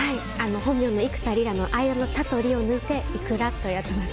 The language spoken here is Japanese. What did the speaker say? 本名の幾田りらの間の「田」と「り」を抜いて「ｉｋｕｒａ」とやってます。